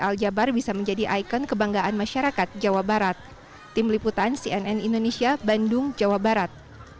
al jabar bisa menjadi ikon kebanggaan masyarakat jawa barat tim liputan cnn indonesia bandung jawa barat